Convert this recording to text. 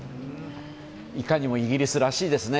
いかにもイギリスらしいですね。